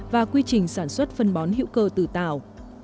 và quy trình sản xuất phân bón hữu cơ từ tàu